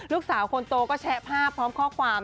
ลูกสาวคนโตก็แชะภาพพร้อมข้อความ